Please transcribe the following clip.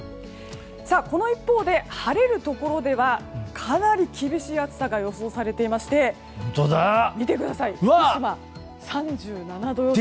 この一方で晴れるところではかなり厳しい暑さが予想されていまして見てください、福島３７度予想！